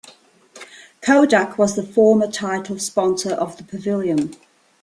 Kodak was the former title sponsor of the pavilion.